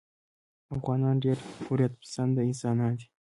افغانان ډېر حریت پسنده انسانان دي.